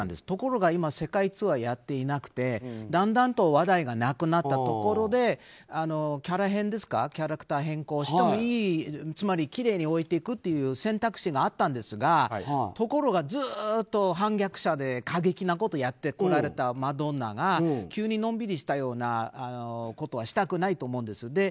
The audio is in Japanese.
ところが今世界ツアーをやっていなくてだんだん話題がなくなったところでキャラ変キャラクター変更してもいいつまりきれいに老いていくという選択肢があったんですがずっと反逆者で過激なことをやってこられたマドンナが急にのんびりしたようなことはしたくないと思うんです。